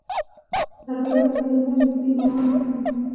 لرګی له طبیعت سره نږدې مواد دي.